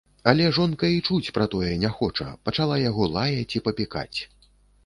Але жонка і чуць пра тое не хоча, пачала яго лаяць і папікаць